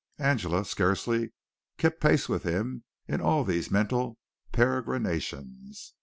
Angela scarcely kept pace with him in all these mental peregrinations.